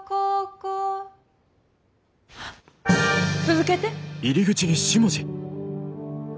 続けて。